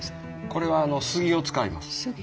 これは杉を使います。